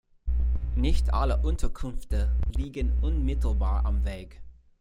Nicht alle Unterkünfte liegen unmittelbar am Weg.